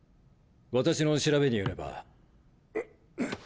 私の調べによればうぅ。